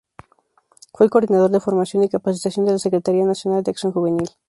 Fue el Coordinador de Formación y Capacitación de la Secretaría Nacional de Acción Juvenil.